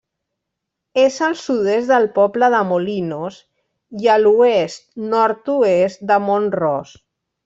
És al sud-est del poble de Molinos, i a l'oest-nord-oest de Mont-ros.